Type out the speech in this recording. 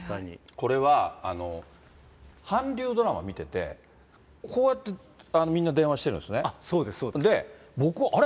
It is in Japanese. これは韓流ドラマ見てて、こうやってみんな電話してるんですそうです、で、僕もあれ？